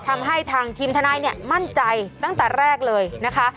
ทำให้ทางทีมทนายเนี่ยมั่นใจตั้งแต่แรกเลยนะคะ